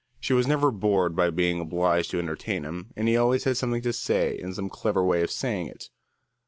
She was never bored by being obliged to entertain him, and he always had something to say and some clever way of saying it.